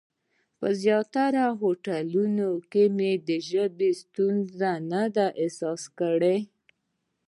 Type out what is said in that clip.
په زیاترو هوټلونو کې مې د ژبې ستونزه نه ده احساس کړې.